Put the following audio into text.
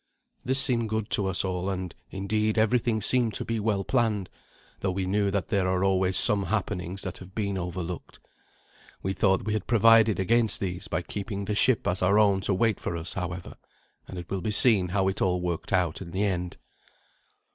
This seemed good to us all; and, indeed, everything seemed to be well planned, though we knew that there are always some happenings that have been overlooked. We thought we had provided against these by keeping the ship as our own to wait for us, however, and it will be seen how it all worked out in the end.